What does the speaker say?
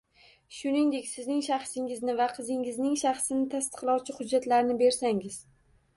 Shuningdek, sizning shaxsingizni va qizingizning shaxsini tasdiqlovchi hujjatlarni bersangiz.